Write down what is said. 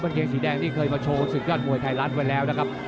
เกงสีแดงนี่เคยมาโชว์ศึกยอดมวยไทยรัฐไว้แล้วนะครับ